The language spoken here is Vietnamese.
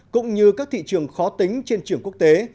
cũng như các thị trường khó tính trên trường quốc tế